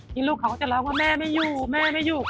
ลูกเขาก็จะร้องว่าแม่ไม่อยู่แม่ไม่อยู่